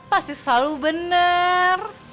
pasti selalu bener